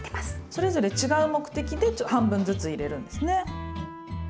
それぞれ違う目的で半分ずつ入れるんですね。